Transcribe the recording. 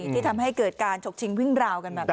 ที่ทำให้เกิดการฉกชิงวิ่งราวกันแบบนี้